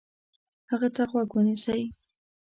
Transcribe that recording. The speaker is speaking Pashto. هغه ته غوږ ونیسئ،